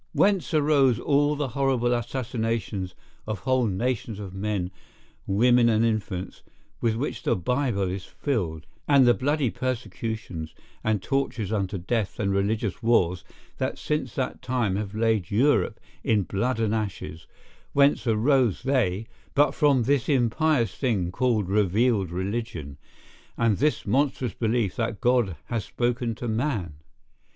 Whence arose all the horrid assassinations of whole nations of men, women, and infants, with which the Bible is filled; and the bloody persecutions, and tortures unto death and religious wars, that since that time have laid Europe in blood and ashes; whence arose they, but from this impious thing called revealed religion, and this monstrous belief that God has spoken to man?